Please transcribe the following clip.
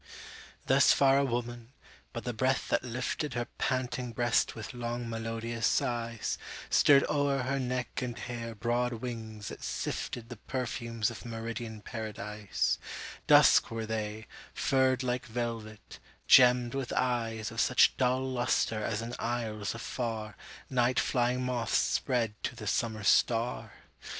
Thus far a woman: but the breath that liftedHer panting breast with long melodious sighs, Stirred o'er her neck and hair broad wings that siftedThe perfumes of meridian Paradise; Dusk were they, furred like velvet, gemmed with eyesOf such dull lustre as in isles afarNight flying moths spread to the summer star.